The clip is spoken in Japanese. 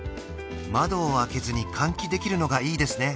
窓を開けずに換気できるのがいいですね